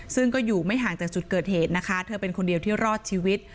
ซึ่งก็อยู่ไม่ห่างจากจุดเกิดเหตุนะคะเธอเป็นคนเดียวที่รอดชีวิต